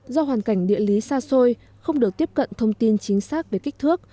do hoàn cảnh địa lý xa xôi không được tiếp cận thông tin chính xác về kích thước